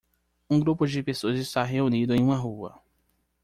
Um grupo de pessoas está reunido em uma rua.